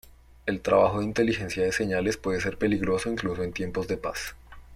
El trabajo de inteligencia de señales puede ser peligroso incluso en tiempos de paz.